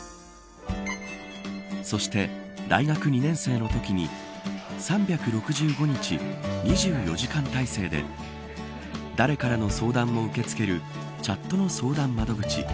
そして、大学２年生のときに３６５日、２４時間態勢で誰からの相談も受け付けるチャットの相談窓口